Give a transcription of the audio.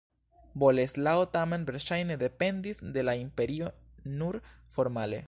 Boleslao tamen verŝajne dependis de la imperio nur formale.